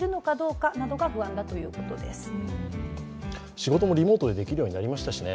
仕事もリモートでできるようになりましたしね